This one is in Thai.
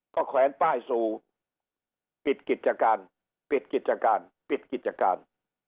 ก็แขวนป้ายสู่ปิดกิจการปิดกิจการปิดกิจการ